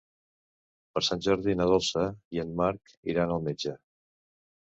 Per Sant Jordi na Dolça i en Marc iran al metge.